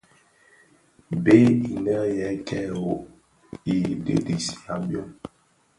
Bèè inë yê kêê wôôgh i digsigha byôm.